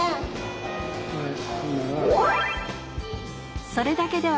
これだけ？